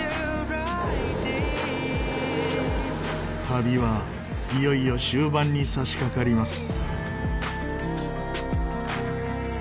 旅はいよいよ終盤に差し掛かります。